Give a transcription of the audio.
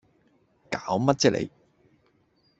攪乜啫你